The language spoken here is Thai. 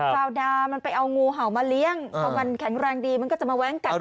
ซาวดามันไปเอางูเห่ามาเลี้ยงพอมันแข็งแรงดีมันก็จะมาแว้งกัด